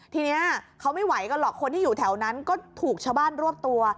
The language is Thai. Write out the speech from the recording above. ทีนี้เขาไม่ไหวกันหรอกคนที่อยู่แถวนั้นก็ถูกชาวบ้านรวบตัว